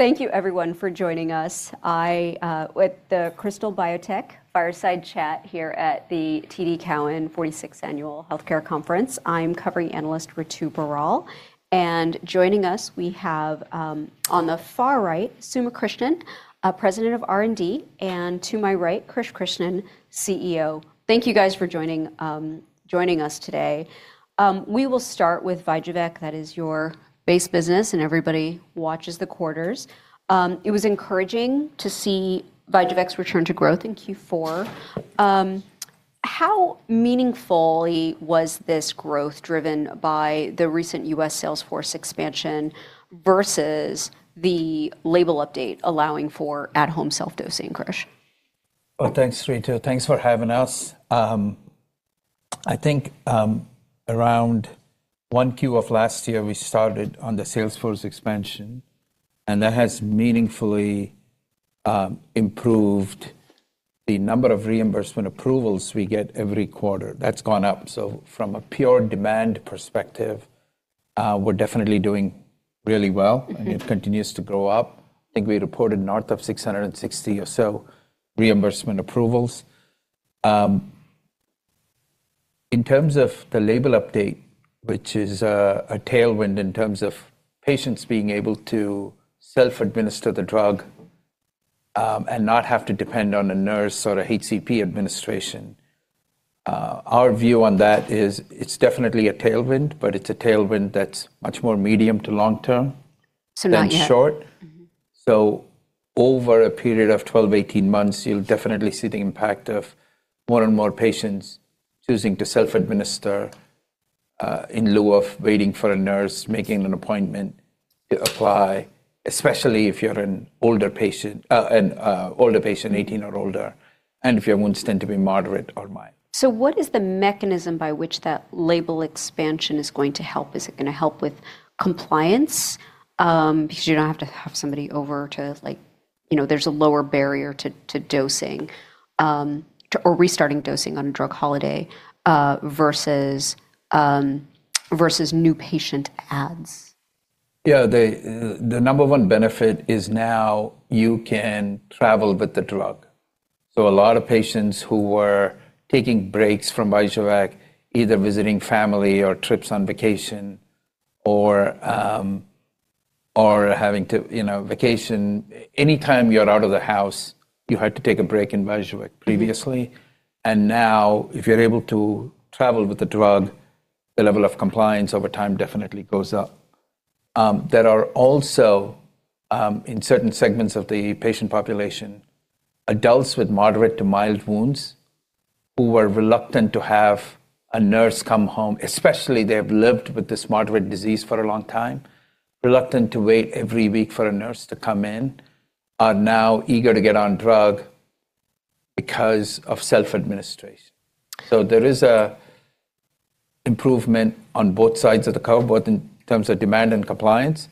Thank you everyone for joining us. I with the Krystal Biotech Fireside Chat here at the TD Cowen 46th Annual Healthcare Conference. I'm covering analyst Ritu Baral. Joining us we have on the far right, Suma Krishnan, our President of R&D, and to my right, Krish Krishnan, CEO. Thank you guys for joining us today. We will start with VYJUVEK, that is your base business, and everybody watches the quarters. It was encouraging to see VYJUVEK's return to growth in Q4. How meaningfully was this growth driven by the recent U.S. sales force expansion versus the label update allowing for at-home self-dosing, Krish? Thanks, Ritu Baral. Thanks for having us. I think around Q1 of last year, we started on the sales force expansion, and that has meaningfully improved the number of reimbursement approvals we get every quarter. That's gone up. From a pure demand perspective, we're definitely doing really well, and it continues to grow up. I think we reported north of 660 or so reimbursement approvals. In terms of the label update, which is a tailwind in terms of patients being able to self-administer the drug, and not have to depend on a nurse or a HCP administration. Our view on that is it's definitely a tailwind, but it's a tailwind that's much more medium to long term. not yet. Mm-hmm.... than short. Over a period of 12-18 months, you'll definitely see the impact of more and more patients choosing to self-administer in lieu of waiting for a nurse, making an appointment to apply, especially if you're an older patient, a older patient, 18 or older, and if your wounds tend to be moderate or mild. What is the mechanism by which that label expansion is going to help? Is it going to help with compliance? Because you don't have to have somebody over to, like, you know, there's a lower barrier to dosing, or restarting dosing on a drug holiday, versus new patient ads. The number one benefit is now you can travel with the drug. A lot of patients who were taking breaks from VYJUVEK, either visiting family or trips on vacation or having to, you know, vacation, anytime you're out of the house, you had to take a break in VYJUVEK previously. Now, if you're able to travel with the drug, the level of compliance over time definitely goes up. There are also in certain segments of the patient population, adults with moderate to mild wounds who were reluctant to have a nurse come home, especially they have lived with this moderate disease for a long time, reluctant to wait every week for a nurse to come in, are now eager to get on drug because of self-administration. There is a improvement on both sides of the curve, both in terms of demand and compliance.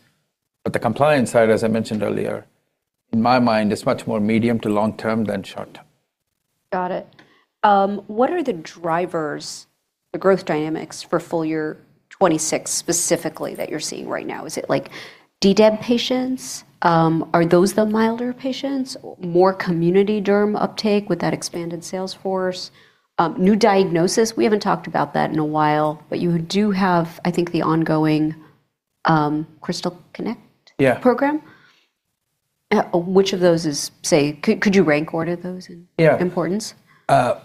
The compliance side, as I mentioned earlier, in my mind, is much more medium to long term than short term. Got it. What are the drivers, the growth dynamics for full year 2026 specifically that you're seeing right now? Is it like DEB patients? Are those the milder patients? More community derm uptake with that expanded sales force? New diagnosis, we haven't talked about that in a while, but you do have, I think, the ongoing, Krystal Connect. Yeah program. Which of those could you rank order those? Yeah... importance? I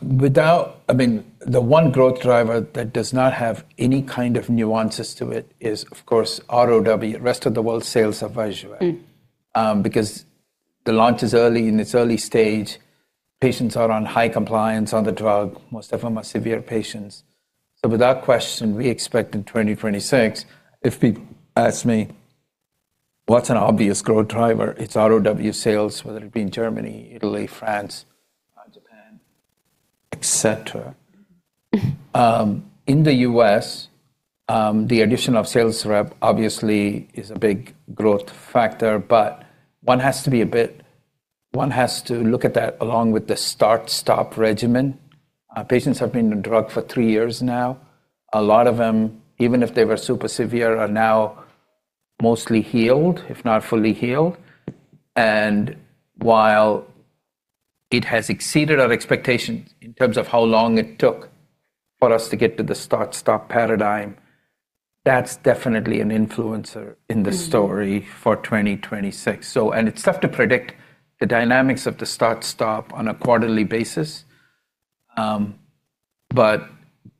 mean, the one growth driver that does not have any kind of nuances to it is, of course, ROW, rest of the world sales of VYJUVEK. Mm. Because the launch is early, in its early stage, patients are on high compliance on the drug. Most of them are severe patients. Without question, we expect in 2026, if you ask me, what's an obvious growth driver? It's ROW sales, whether it be in Germany, Italy, France, Japan, et cetera. Mm. In the U.S., the addition of sales rep obviously is a big growth factor, but one has to look at that along with the start-stop regimen. Our patients have been on drug for three years now. A lot of them, even if they were super severe, are now mostly healed, if not fully healed. While it has exceeded our expectations in terms of how long it took for us to get to the start-stop paradigm, that's definitely an influencer in the story. Mm... for 2026. It's tough to predict the dynamics of the start-stop on a quarterly basis. But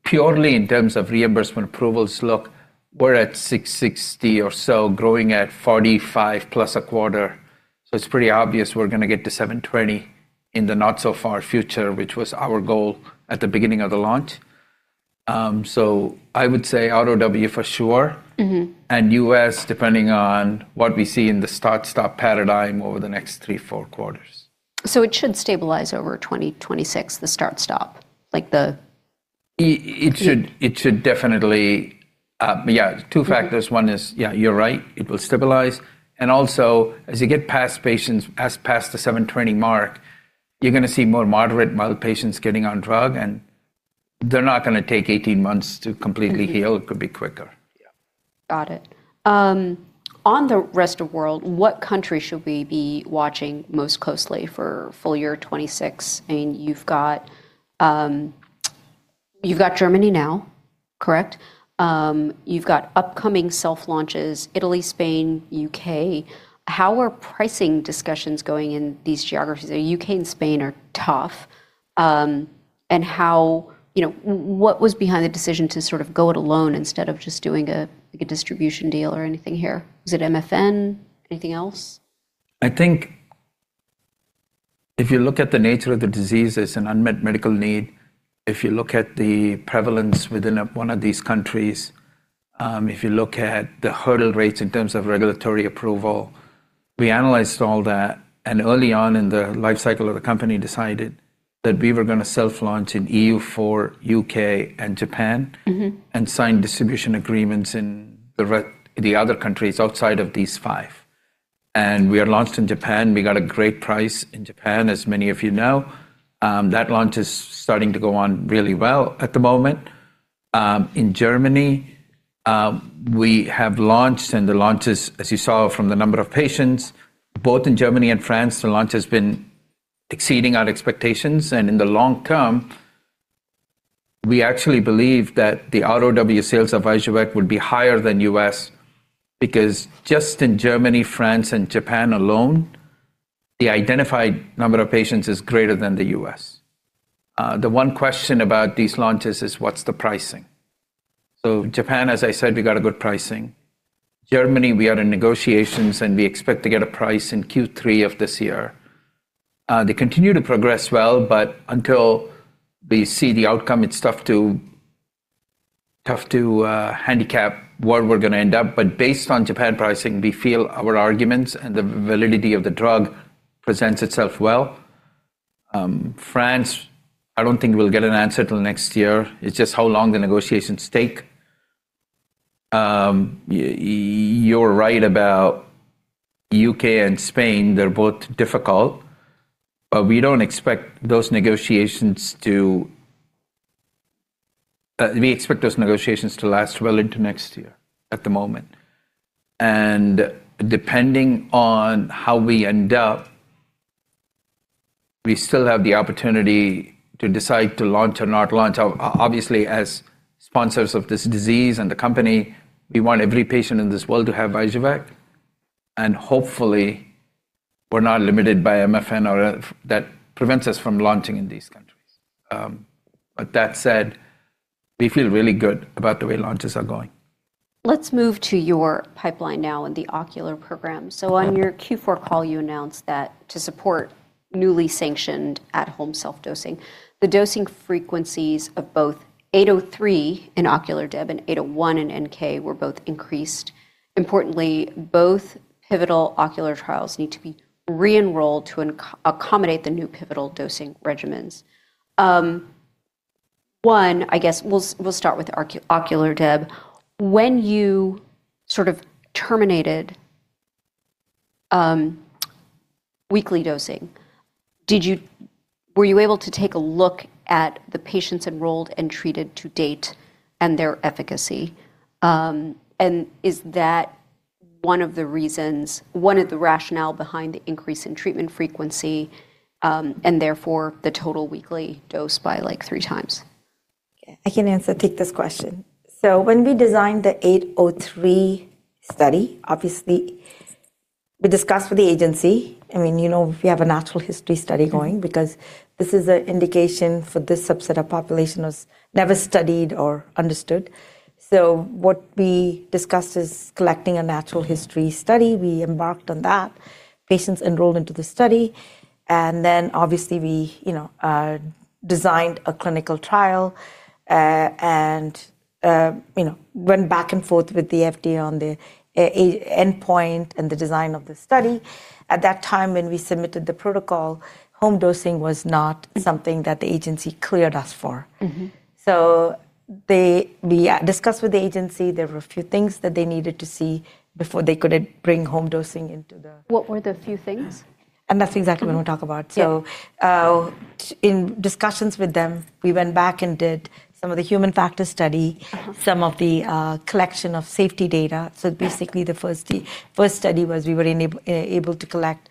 purely in terms of reimbursement approvals, look, we're at 660 or so, growing at 45+ a quarter. It's pretty obvious we're gonna get to 720 in the not so far future, which was our goal at the beginning of the launch. I would say ROW for sure. Mm-hmm. U.S., depending on what we see in the start-stop paradigm over the next three, four quarters. It should stabilize over 2026, the start-stop. It should, it should definitely. Yeah. Two factors. One is, yeah, you're right, it will stabilize. Also, as you get past patients, past the 720 mark, you're gonna see more moderate, mild patients getting on drug. They're not gonna take 18 months to completely heal. It could be quicker. Yeah. Got it. On the rest of world, what country should we be watching most closely for full year 2026? I mean, you've got, you've got Germany now, correct? You've got upcoming self launches, Italy, Spain, UK. How are pricing discussions going in these geographies? The UK and Spain are tough, and how, you know, what was behind the decision to sort of go it alone instead of just doing a, like a distribution deal or anything here? Was it MFN? Anything else? I think if you look at the nature of the disease as an unmet medical need, if you look at the prevalence within a, one of these countries, if you look at the hurdle rates in terms of regulatory approval, we analyzed all that and early on in the life cycle of the company decided that we were gonna self-launch in EU for UK and Japan. Mm-hmm... and sign distribution agreements in the other countries outside of these 5. We are launched in Japan. We got a great price in Japan, as many of you know. That launch is starting to go on really well at the moment. In Germany, we have launched and the launch is, as you saw from the number of patients, both in Germany and France, the launch has been exceeding our expectations and in the long term, we actually believe that the ROW sales of VYJUVEK would be higher than US because just in Germany, France and Japan alone, the identified number of patients is greater than the US. The 1 question about these launches is what's the pricing? Japan, as I said, we got a good pricing. Germany, we are in negotiations, and we expect to get a price in Q3 of this year. They continue to progress well, but until we see the outcome, it's tough to handicap where we're gonna end up. Based on Japan pricing, we feel our arguments and the validity of the drug presents itself well. France, I don't think we'll get an answer till next year. It's just how long the negotiations take. You're right about U.K. and Spain, they're both difficult, but we expect those negotiations to last well into next year at the moment, and depending on how we end up, we still have the opportunity to decide to launch or not launch. Obviously, as sponsors of this disease and the company, we want every patient in this world to have VYJUVEK, hopefully, we're not limited by MFN or that prevents us from launching in these countries. That said, we feel really good about the way launches are going. Let's move to your pipeline now and the ocular program. Okay. On your Q4 call, you announced that to support newly sanctioned at-home self-dosing, the dosing frequencies of both KB803 in ocular DEB and KB801 in NK were both increased. Importantly, both pivotal ocular trials need to be re-enrolled to accommodate the new pivotal dosing regimens. One, I guess we'll start with ocular DEB. When you sort of terminated weekly dosing, were you able to take a look at the patients enrolled and treated to date and their efficacy? And is that one of the reasons, one of the rationale behind the increase in treatment frequency, and therefore the total weekly dose by like three times? Yeah, I can answer, take this question. When we designed the KB803 study, obviously we discussed with the agency, I mean, you know, we have a natural history study going because this is an indication for this subset of population was never studied or understood. What we discussed is collecting a natural history study. We embarked on that. Patients enrolled into the study, and then obviously we, you know, designed a clinical trial, and, you know, went back and forth with the FDA on the e-end point and the design of the study. At that time when we submitted the protocol, home dosing was not something that the agency cleared us for. Mm-hmm. We discussed with the agency, there were a few things that they needed to see before they could bring home dosing. What were the few things? That's exactly what we'll talk about. Yeah. In discussions with them, we went back and did some of the human factors study. Mm-hmm Some of the collection of safety data. Basically the first study was we were able to collect,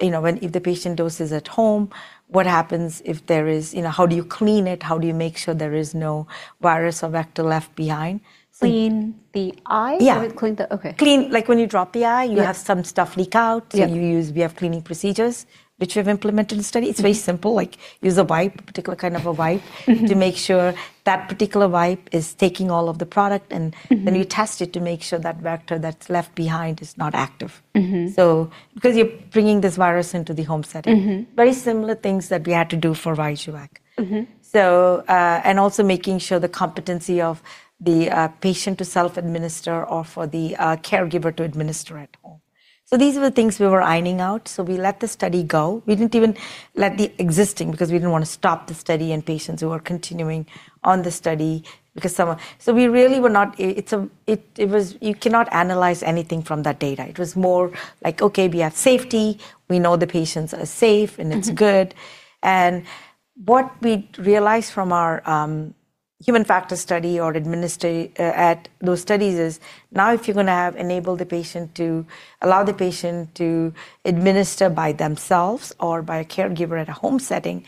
you know, when if the patient doses at home, what happens if there is, you know, how do you clean it? How do you make sure there is no virus or vector left behind? Clean the eye? Yeah. Clean okay. Clean, like when you drop the eye- Yeah... you have some stuff leak out. Yeah. You use, we have cleaning procedures which we've implemented in the study. Mm-hmm. It's very simple, like use a wipe, particular kind of a wipe... Mm-hmm to make sure that particular wipe is taking all of the product. Mm-hmm You test it to make sure that vector that's left behind is not active. Mm-hmm. Because you're bringing this virus into the home setting. Mm-hmm. Very similar things that we had to do for VYJUVEK. Mm-hmm. And also making sure the competency of the patient to self-administer or for the caregiver to administer at home. These were the things we were ironing out, we let the study go. We didn't even let the existing, because we didn't wanna stop the study and patients who are continuing on the study because some are... We really were not, it was, you cannot analyze anything from that data. It was more like, okay, we have safety. We know the patients are safe and it's good. What we realized from our human factors study or administer at those studies is now if you're gonna have enabled the patient to allow the patient to administer by themselves or by a caregiver at a home setting,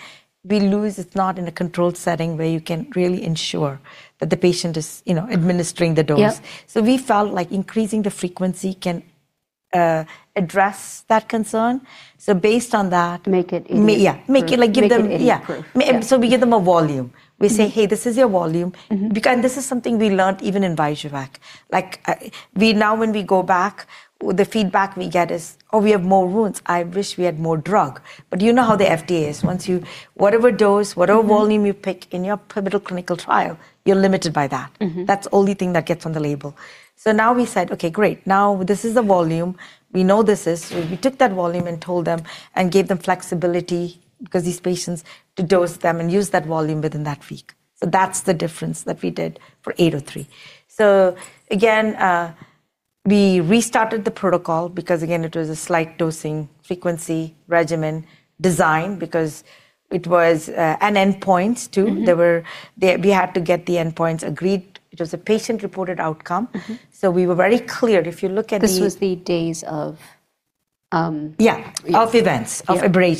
it's not in a controlled setting where you can really ensure that the patient is, you know, administering the dose. Yep. We felt like increasing the frequency can address that concern. Make it idiot-proof. yeah. Make it like give them- Make it idiot-proof. Yeah. I mean, we give them a volume. Mm-hmm. We say, "Hey, this is your volume. Mm-hmm. Because this is something we learned even in VYJUVEK. Like, we now when we go back, the feedback we get is, "Oh, we have more wounds. I wish we had more drug." You know how the FDA is. Once whatever dose- Mm-hmm... whatever volume you pick in your pivotal clinical trial, you're limited by that. Mm-hmm. That's only thing that gets on the label. Now we said, "Okay, great. Now this is the volume. We know this is." We took that volume and told them and gave them flexibility because these patients to dose them and use that volume within that week. That's the difference that we did for KB803. Again, we restarted the protocol because again, it was a slight dosing frequency regimen design because it was and endpoints too. Mm-hmm. We had to get the endpoints agreed. It was a patient-reported outcome. Mm-hmm. We were very clear. If you look at. This was the days of. Yeah Yes. ...of events. Yeah. Of a break.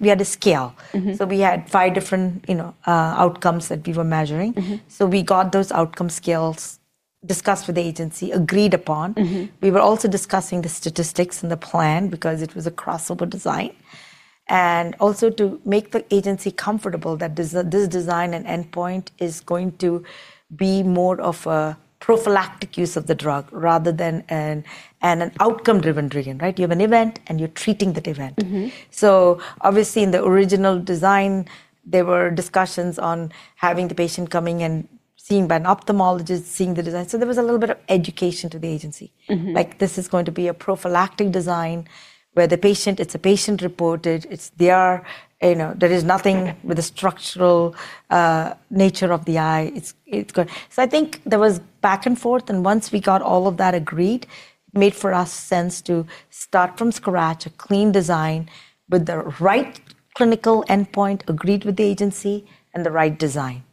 We had a scale. Mm-hmm. We had 5 different, you know, outcomes that we were measuring. Mm-hmm. We got those outcome scales discussed with the agency, agreed upon. Mm-hmm. We were also discussing the statistics and the plan because it was a crossover design. also to make the agency comfortable that this design and endpoint is going to be more of a prophylactic use of the drug rather than an outcome-driven regimen, right? You have an event, and you're treating that event. Mm-hmm. Obviously, in the original design, there were discussions on having the patient coming and seeing by an ophthalmologist, seeing the design. There was a little bit of education to the agency. Mm-hmm. Like this is going to be a prophylactic design where the patient, it's a patient-reported. You know, there is nothing. Mm-hmm... with the structural nature of the eye. I think there was back and forth, and once we got all of that agreed, made for us sense to start from scratch, a clean design with the right clinical endpoint agreed with the FDA and the right design.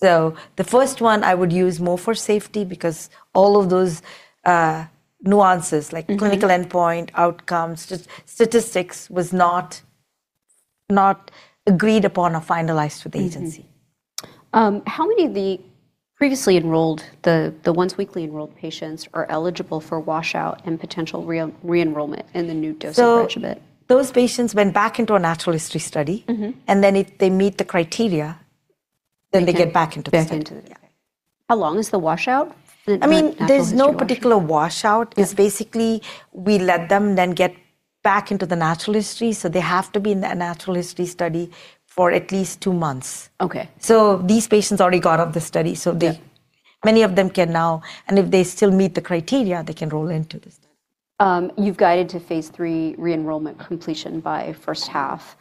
The first one I would use more for safety because all of those nuances. Mm-hmm... like clinical endpoint, outcomes, just statistics was not agreed upon or finalized with the agency. How many of the previously enrolled, the once-weekly enrolled patients are eligible for washout and potential re-enrollment in the new dosing regimen? Those patients went back into a natural history study. Mm-hmm. If they meet the criteria, then they get back into the study. Back into it, yeah. How long is the washout? The natural history washout. I mean, there's no particular washout. Yeah. It's basically we let them then get back into the natural history, so they have to be in the natural history study for at least two months. Okay. These patients already got off the study. Yeah many of them can now. If they still meet the criteria, they can roll into the study. You've guided to phase III re-enrollment? Mm-hmm... completion by first half.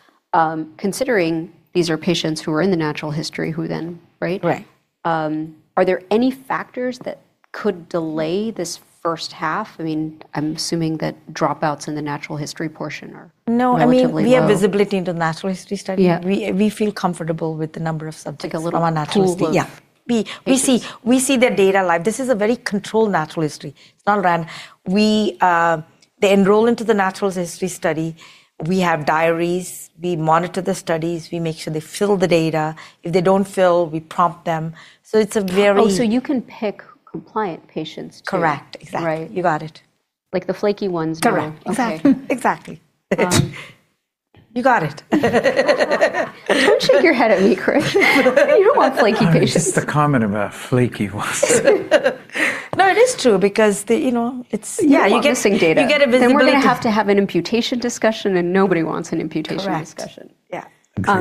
Considering these are patients who are in the natural history, who then... Right? Right. Are there any factors that could delay this first half? I mean, I'm assuming that dropouts in the natural history portion. No, I mean.... relatively low. we have visibility into natural history study. Yeah. We feel comfortable with the number of subjects. Take a little pool of.... from our natural history. Yeah. Patients We see their data live. This is a very controlled natural history. It's not random. They enroll into the natural history study. We have diaries. We monitor the studies. We make sure they fill the data. If they don't fill, we prompt them. You can pick compliant patients too. Correct. Exactly. Right. You got it. Like the flaky ones. Correct. Exactly. Okay. Exactly. Um- You got it. Don't shake your head at me, Krish. You don't want flaky patients. I mean, just the comment about flaky ones. No, it is true because the. You know. Yeah, you're missing data.... you get a visibility- We're gonna have to have an imputation discussion, and nobody wants an imputation discussion. Correct. Yeah.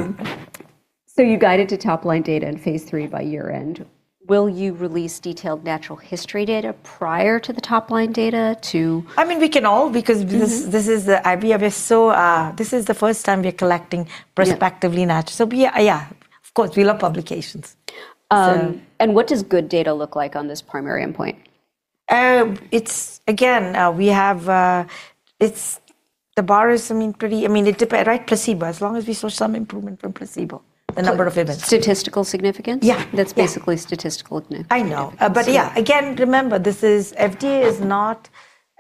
Agree. You guided to top-line data in phase III by year-end. Will you release detailed natural history data prior to the top-line data? I mean, we can all. Mm-hmm this is the. We are just so, This is the first time we're collecting- Yeah... prospectively. Yeah, of course, we love publications. What does good data look like on this primary endpoint? It's again, we have, it's the bar is pretty... it depend, right? Placebo. As long as we saw some improvement from placebo, the number of events. Statistical significance? Yeah. That's basically statistical significance. I know. Yeah. Again, remember, this is... FDA is not,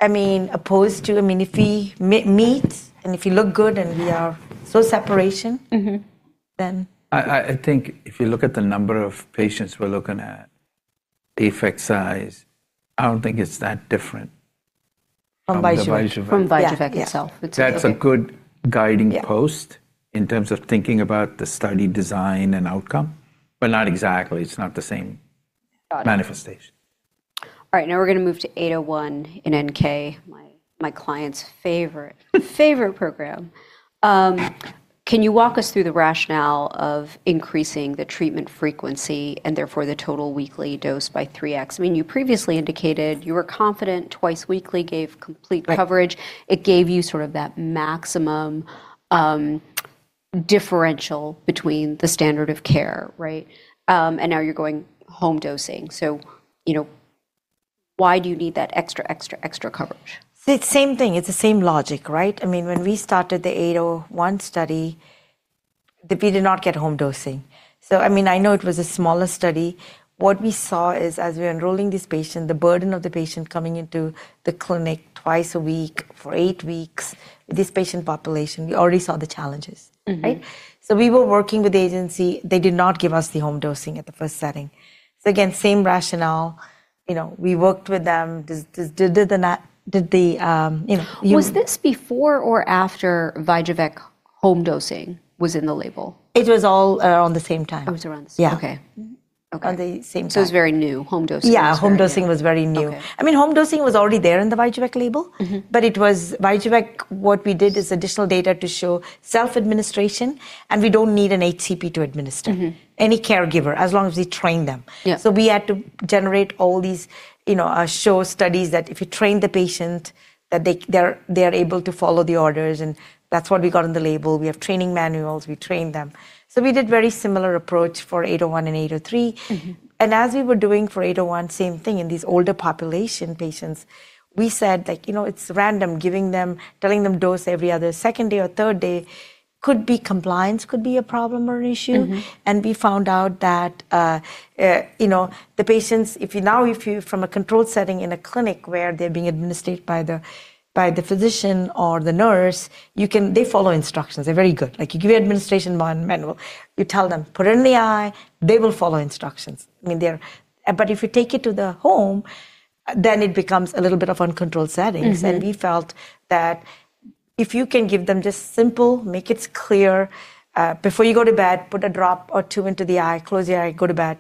I mean, opposed to... I mean, if we meet, and if you look good, and we are so separation- Mm-hmm... then- I think if you look at the number of patients we're looking at, the effect size, I don't think it's that different. From VYJUVEK. From VYJUVEK. From VYJUVEK itself. Yeah. Yeah. It's. That's a good guiding post. Yeah... in terms of thinking about the study design and outcome, but not exactly. It's not the same manifestation. Got it. All right, now we're gonna move to 801 in NK. My client's favorite program. Can you walk us through the rationale of increasing the treatment frequency and therefore the total weekly dose by 3x? I mean, you previously indicated you were confident twice weekly gave complete- Right coverage. It gave you sort of that maximum differential between the standard of care, right? Now you're going home dosing. You know, why do you need that extra, extra coverage? It's same thing. It's the same logic, right? I mean, when we started the KB801 study, that we did not get home dosing. I mean, I know it was a smaller study. What we saw is as we're enrolling this patient, the burden of the patient coming into the clinic twice a week for eight weeks, this patient population, we already saw the challenges. Mm-hmm. Right? We were working with the agency. They did not give us the home dosing at the first setting. Again, same rationale. You know, we worked with them. Did the, you know. Was this before or after VYJUVEK home dosing was in the label? It was all on the same time. It was around the same. Yeah. Okay. Okay. On the same time. It was very new, home dosing was very new. Home dosing was very new. Okay. I mean, home dosing was already there in the VYJUVEK label. Mm-hmm. It was VYJUVEK, what we did is additional data to show self-administration, and we don't need an ATP to administer. Mm-hmm. Any caregiver, as long as we train them. Yeah. We had to generate all these, you know, show studies that if you train the patient, that they are able to follow the orders. That's what we got on the label. We have training manuals. We train them. We did very similar approach for KB801 and KB803. Mm-hmm. As we were doing for KB801, same thing. In these older population patients, we said, like, you know, it's random giving them, telling them dose every other second day or third day. Could be compliance could be a problem or issue. Mm-hmm. We found out that, you know, if you, from a controlled setting in a clinic where they're being administered by the physician or the nurse, they follow instructions. They're very good. Like, you give your administration manual, you tell them, "Put it in the eye," they will follow instructions. I mean, but if you take it to the home, then it becomes a little bit of uncontrolled settings. Mm-hmm. We felt that if you can give them just simple, make it clear, "Before you go to bed, put a drop or two into the eye, close your eye, go to bed,"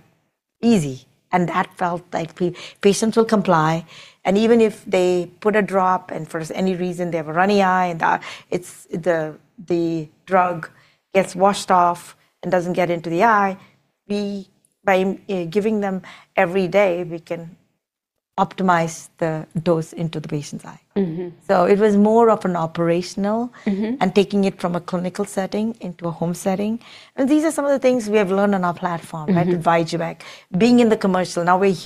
easy. That felt like patients will comply, and even if they put a drop and for any reason they have a runny eye and the drug gets washed off and doesn't get into the eye, By giving them every day, we can optimize the dose into the patient's eye. Mm-hmm. it was more of an operational- Mm-hmm... and taking it from a clinical setting into a home setting. These are some of the things we have learned on our platform- Mm-hmm... right, with VYJUVEK. Being in the commercial, now we're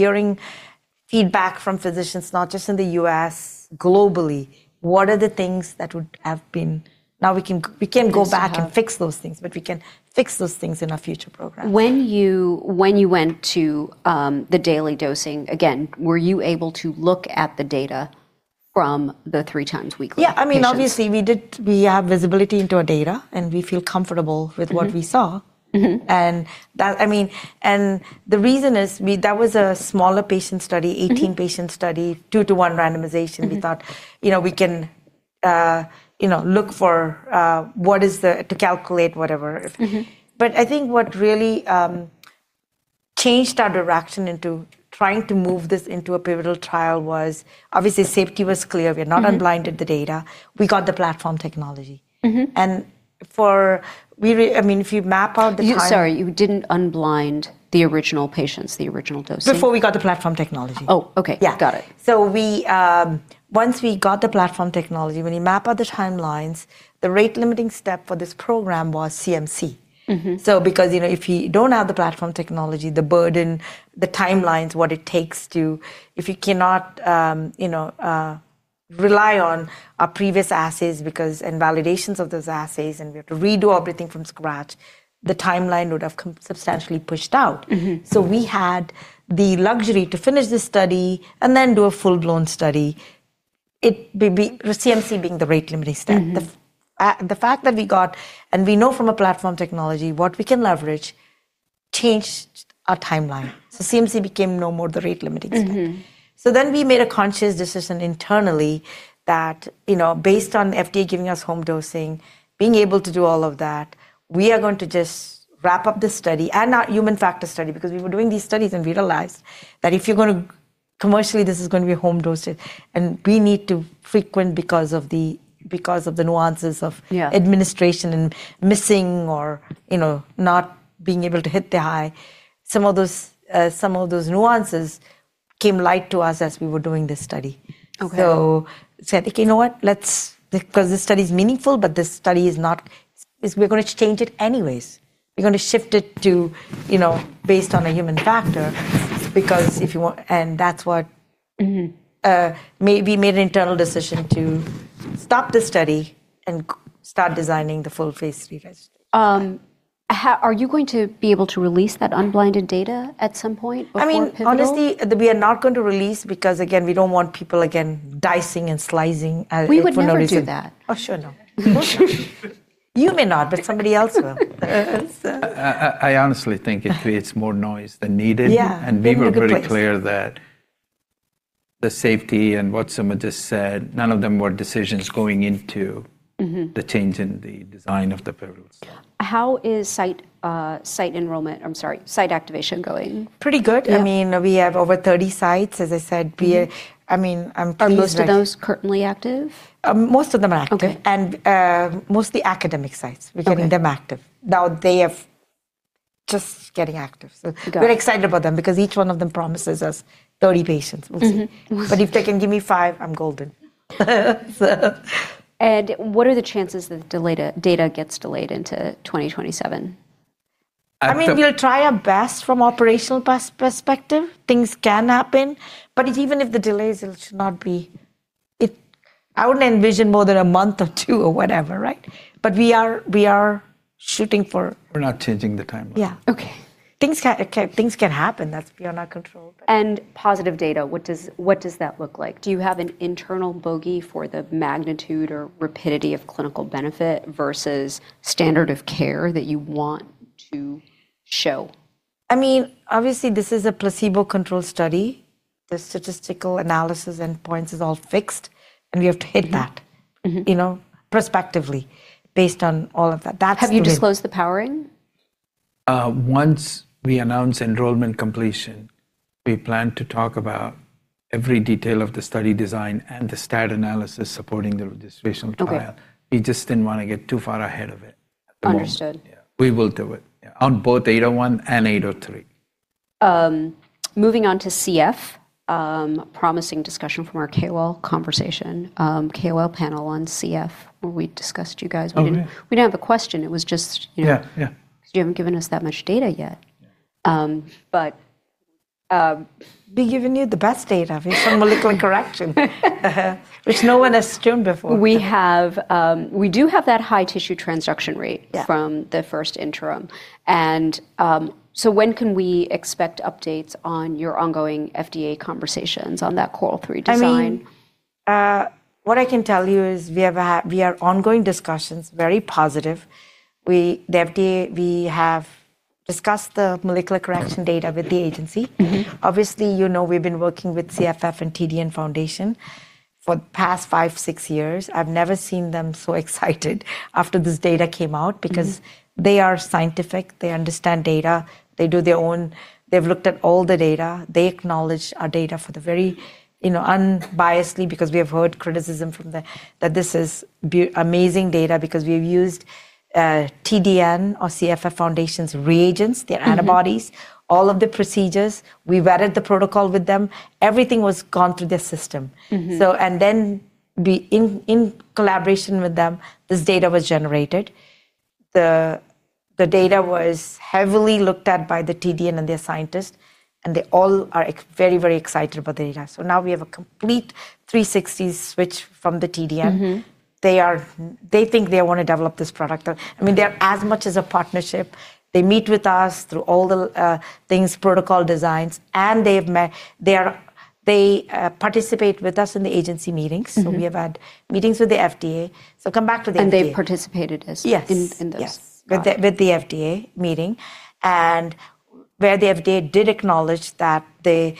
hearing feedback from physicians not just in the U.S., globally, what are the things that would have been... Now we can go back... Which have Fix those things, but we can fix those things in our future program. When you, when you went to the daily dosing, again, were you able to look at the data from the three times weekly patients? Yeah. I mean, obviously, we have visibility into our data, and we feel comfortable with. Mm-hmm what we saw. Mm-hmm. I mean, the reason is that was a smaller patient study. Mm-hmm 18-patient study, two to one randomization. Mm-hmm. We thought, you know, we can, you know, look for, what is the to calculate whatever if-. Mm-hmm. I think what really changed our direction into trying to move this into a pivotal trial was, obviously safety was clear. Mm-hmm unblinded the data. We got the platform technology. Mm-hmm. We I mean, if you map out the time... Sorry. You didn't unblind the original patients, the original dosing? Before we got the platform technology. Oh, okay. Yeah. Got it. Once we got the platform technology, when you map out the timelines, the rate limiting step for this program was CMC. Mm-hmm. Because, you know, if you don't have the platform technology, the burden, the timelines, what it takes to... If you cannot, you know, rely on our previous assays because... and validations of those assays, and we have to redo everything from scratch, the timeline would have come substantially pushed out. Mm-hmm. We had the luxury to finish this study and then do a full-blown study. Be CMC being the rate limiting step. Mm-hmm. The fact that we got, and we know from a platform technology what we can leverage, changed our timeline. CMC became no more the rate limiting step. Mm-hmm. We made a conscious decision internally that, you know, based on FDA giving us home dosing, being able to do all of that, we are going to just wrap up this study, and our human factors study. Because we were doing these studies and realized that Commercially, this is gonna be home dosed, and we need to frequent because of the, because of the nuances of. Yeah... administration and missing or, you know, not being able to hit the eye. Some of those, some of those nuances came light to us as we were doing this study. Okay. Said, "Okay, you know what? Because this study's meaningful, but this study is not. We're gonna change it anyways. We're gonna shift it to, you know, based on a human factor, because if you want." That's what. Mm-hmm... made. We made an internal decision to stop the study and start designing the full phase III study. Are you going to be able to release that unblinded data at some point before pivotal? I mean, honestly, we are not going to release, because again, we don't want people again dicing and slicing for no reason. We would never do that. Oh, sure, no. You may not, but somebody else will. I honestly think it creates more noise than needed. Yeah. we were- Leave a good place.... pretty clear that the safety and what Sumita said, none of them were decisions going into- Mm-hmm ... the change in the design of the pivotal study. How is site activation going? Pretty good. Yeah. I mean, we have over 30 sites, as I said, I mean, I'm pleased with. Are most of those currently active? Most of them are active. Okay. mostly academic sites. Okay we're getting them active. Now, Just getting active. Got it.... we're excited about them, because each one of them promises us 30 patients. We'll see. Mm-hmm. We'll see. If they can give me 5, I'm golden. what are the chances that the data gets delayed into 2027? I mean, we'll try our best from operational perspective. Things can happen, but even if the delays, it should not be... I wouldn't envision more than a month or two or whatever, right? We are shooting for- We're not changing the timeline. Yeah. Okay. Things can happen that's beyond our control. Positive data, what does that look like? Do you have an internal bogey for the magnitude or rapidity of clinical benefit versus standard of care that you want to show? I mean, obviously this is a placebo-controlled study. The statistical analysis and points is all fixed, and we have to hit that. Mm-hmm you know, prospectively based on all of that. That's. Have you disclosed the powering? Once we announce enrollment completion, we plan to talk about every detail of the study design and the stat analysis supporting the registration trial. Okay. We just didn't wanna get too far ahead of it. Understood. Yeah. We will do it. Yeah. On both KB801 and KB803. Moving on to CF, promising discussion from our KOL conversation, KOL panel on CF where we discussed you guys. Oh, yeah. We didn't have a question. It was just... Yeah, yeah. You haven't given us that much data yet. We've given you the best data from molecular correction. Which no one has seen before. We do have that high tissue transaction rate. Yeah from the first interim. When can we expect updates on your ongoing FDA conversations on that CORAL-3 design? I mean, what I can tell you is we have ongoing discussions, very positive. The FDA, we have discussed the molecular correction data with the agency. Mm-hmm. Obviously, you know, we've been working with CFF and TDN Foundation for the past five, six years. I've never seen them so excited after this data came out. Mm-hmm Because they are scientific. They understand data. They do their own. They've looked at all the data. They acknowledge our data for the very, you know, unbiasedly because we have heard criticism from the. That this is amazing data because we've used TDN or CFF Foundation's reagents. Mm-hmm their antibodies, all of the procedures. We've added the protocol with them. Everything was gone through the system. Mm-hmm. In collaboration with them, this data was generated. The data was heavily looked at by the DEBRA and their scientists, and they all are very excited about the data. Now we have a complete 360 switch from the DEBRA. Mm-hmm. They think they wanna develop this product. I mean, they're as much as a partnership. They meet with us through all the things, protocol designs, and they participate with us in the agency meetings. Mm-hmm. We have had meetings with the FDA. come back to. They've participated. Yes... in this. Yes. With the FDA meeting, and where the FDA did acknowledge that the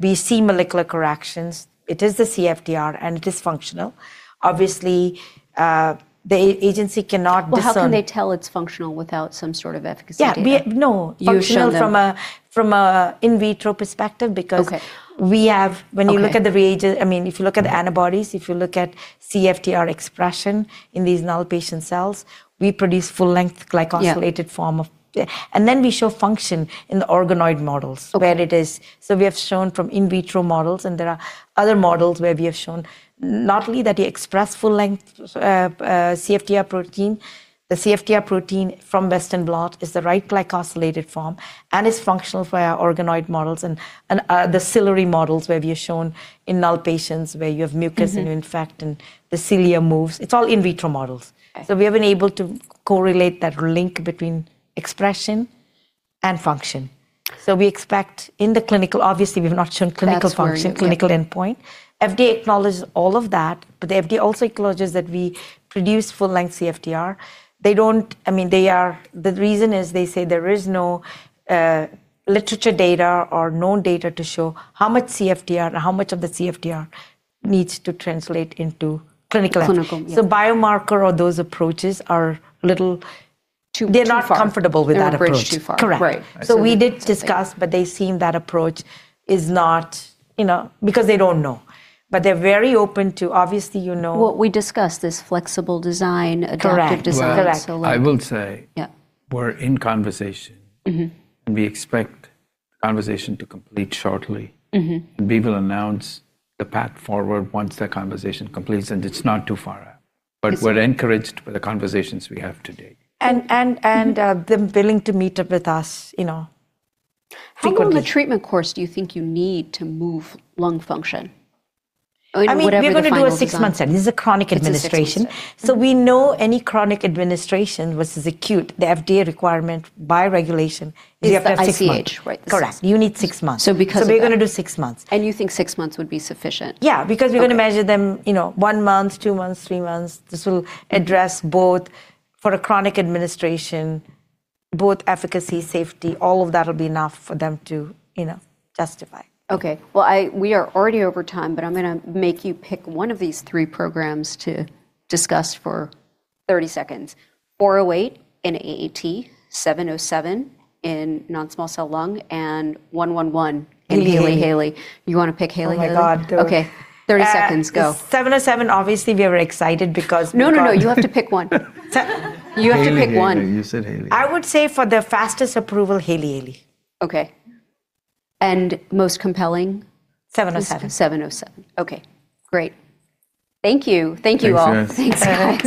we see molecular corrections. It is the CFTR. It is functional. Obviously, the agency cannot discern. Well, how can they tell it's functional without some sort of efficacy data? No. You show them- Functional from a in vitro perspective because... Okay... we Okay... when you look at the reagent... I mean, if you look at the antibodies, if you look at CFTR expression in these null patient cells, we produce full length glycosylated- Yeah... form of ... Then we show function in the organoid models. Okay... where it is. We have shown from in vitro models, and there are other models where we have shown not only that they express full length, CFTR protein, the CFTR protein from Western blot is the right glycosylated form and is functional for our organoid models and the ciliary models where we have shown in null patients where you have mucus- Mm-hmm You infect and the cilia moves. It's all in vitro models. I- We have been able to correlate that link between expression and function. We expect Obviously, we've not shown clinical function-. That's where.... clinical endpoint. The FDA acknowledges all of that, the FDA also acknowledges that we produce full length CFTR. I mean, the reason is they say there is no literature data or known data to show how much of the CFTR needs to translate into clinical- Clinical, yeah. biomarker or those approaches are a little too-. They're not far.... they're not comfortable with that approach. They're a bridge too far. Correct. Right. I see. We did discuss, but they seem that approach is not, you know. They don't know. They're very open to obviously, you know. What we discussed, this flexible design- Correct adaptive design. Correct. Well, I will say- Yeah... we're in conversation. Mm-hmm. We expect conversation to complete shortly. Mm-hmm. We will announce the path forward once that conversation completes, and it's not too far out. Is it- We're encouraged by the conversations we have today. Them willing to meet up with us, you know, frequently. How long a treatment course do you think you need to move lung function? I mean, whatever the final design. I mean, we're gonna do a six months then. This is a chronic administration. It's a six months, yeah. We know any chronic administration versus acute, the FDA requirement by regulation is six months. Is the ICH, right? Correct. You need six months. So because of that- We're gonna do six months. You think six months would be sufficient? Yeah, because. Okay... gonna measure them, you know, one month, two months, three months. This will address both for a chronic administration, both efficacy, safety. All of that'll be enough for them to, you know, justify. Okay. Well, we are already over time, but I'm gonna make you pick one of these three programs to discuss for 30 seconds. 408 in AAT, 707 in non-small cell lung, and 111 in Hailey- Haley Hailey. You wanna pick Hailey? Oh my God. Okay. 30 seconds, go. KB707 obviously we are excited. No, no. You have to pick one. Te- You have to pick one. Hailey. You said Hailey. I would say for the fastest approval, Hailey-Hailey. Okay. Most compelling? KB707. KB707. Okay. Great. Thank you. Thank you all. Thanks, guys. Thanks.